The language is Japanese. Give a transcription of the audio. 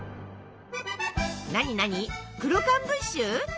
なになに「クロカンブッシュ」？